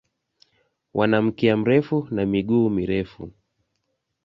Wana mkia mrefu na miguu mirefu.